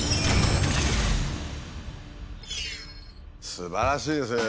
すばらしいですね